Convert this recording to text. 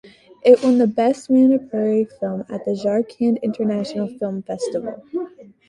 It won the "Best Manipuri Film" at the Jharkhand International Film Festival.